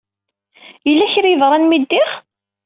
Yella kra ay yeḍran mi ddiɣ?